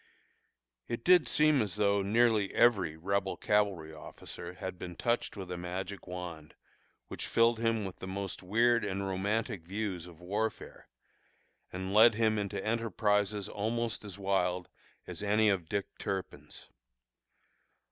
It did seem as though nearly every Rebel cavalry officer had been touched with a magic wand which filled him with the most weird and romantic views of warfare, and led him into enterprises almost as wild as any of Dick Turpin's.